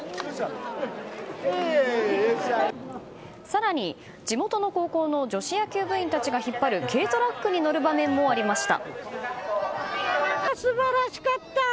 更に、地元の高校の女子野球部員たちが引っ張る軽トラックに乗る場面もありました。